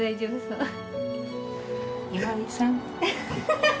ハハハハ。